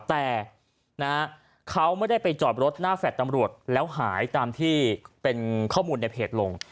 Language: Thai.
แต่เขาไม่ได้ไปจอดรถหน้าแฟลต์ตำรวจแล้วหายตามที่เป็นข้อมูลในเพจลง